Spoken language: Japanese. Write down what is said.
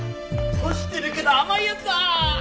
干してるけど甘いやつだ！